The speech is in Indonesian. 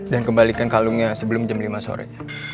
dan kembalikan kalungnya sebelum jam lima sore